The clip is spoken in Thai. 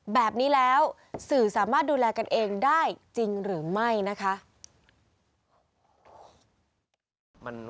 แบบนี้แล้วสื่อสามารถดูแลกันเองได้จริงหรือไม่นะคะ